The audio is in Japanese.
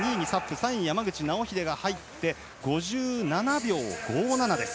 ３位に山口が入って５７秒５７です。